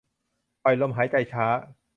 ปล่อยลมหายใจช้า